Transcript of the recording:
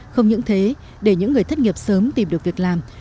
không những thế để những người thất nghiệp sớm tìm được việc làm